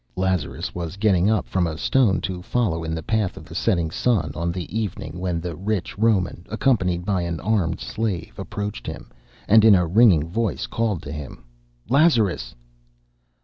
Lazarus was getting up from a stone to follow in the path of the setting sun, on the evening when the rich Roman, accompanied by an armed slave, approached him, and in a ringing voice called to him: "Lazarus!"